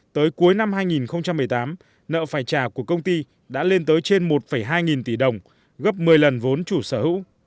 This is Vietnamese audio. tới cuối năm hai nghìn một mươi tám nợ phải trả của công ty đã lên tới trên một hai nghìn tỷ đồng gấp một mươi lần vốn chủ sở hữu